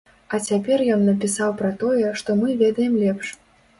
А цяпер ён напісаў пра тое, што мы ведаем лепш.